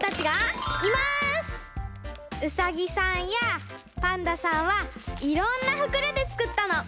ウサギさんやパンダさんはいろんなふくろでつくったの。